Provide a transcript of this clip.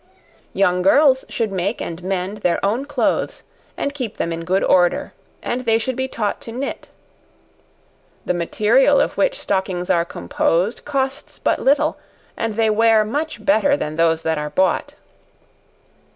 Young girls should make and mend their own clothes, and keep them in good order, and they should be taught to knit. The material of which stockings are composed costs but little, and they wear much better than those that are bought.